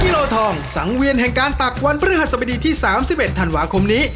โลทองสังเวียนแห่งการตักวันพฤหัสบดีที่๓๑ธันวาคมนี้